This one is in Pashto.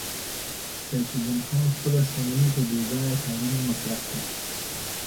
سیف الدین خان خپله شتمني په بې ځایه کارونو مصرف کړه